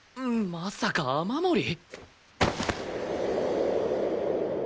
まさか雨漏り？